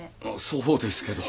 そうですけど。